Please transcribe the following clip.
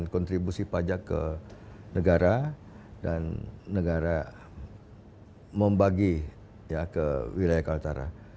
dan kontribusi pajak ke negara dan negara membagi ya ke wilayah kalimantan utara